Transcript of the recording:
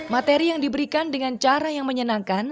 materi yang diberikan dengan cara yang menyenangkan